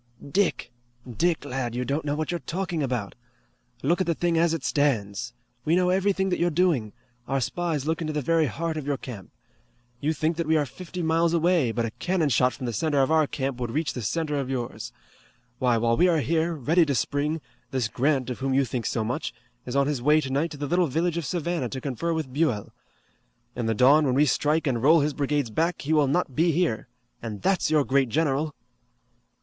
"Dick! Dick, lad, you don't know what you're talking about! Look at the thing as it stands! We know everything that you're doing. Our spies look into the very heart of your camp. You think that we are fifty miles away, but a cannon shot from the center of our camp would reach the center of yours. Why, while we are here, ready to spring, this Grant, of whom you think so much, is on his way tonight to the little village of Savannah to confer with Buell. In the dawn when we strike and roll his brigades back he will not be here. And that's your great general!"